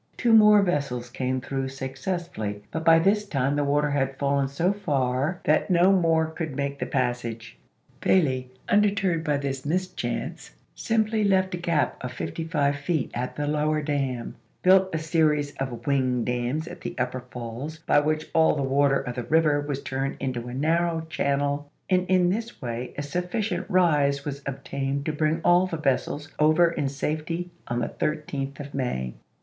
Two more vessels came through successfully, but by this time the water had fallen so far that no more could make the passage. Bailey, undeterred by this mischance, simply left a gap of fifty five feet at the lower dam, built a series of wing dams at the upper falls by which all the water of the river was turned into a narrow channel, and in this way a sufficient rise was obtained to bring all the vessels over in safety on the 13th of May.